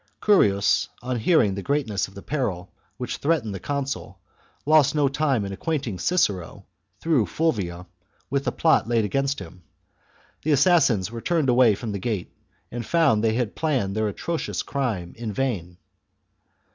Curius, on hearing the greatness of the peril which threatened the consul, lost no time in acquainting Cicero, through Fulvia, with the plot laid against him. The assassins were turned away from the gate, and found they had planned their atrocious crime in vain.